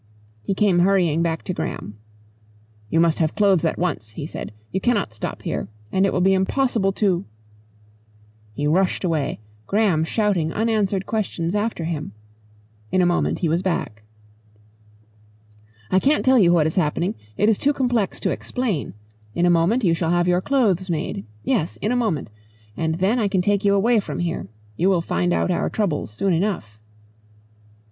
He came hurrying back to Graham. "You must have clothes at once," he said. "You cannot stop here and it will be impossible to " He rushed away, Graham shouting unanswered questions after him. In a moment he was back. "I can't tell you what is happening. It is too complex to explain. In a moment you shall have your clothes made. Yes in a moment. And then I can take you away from here. You will find out our troubles soon enough."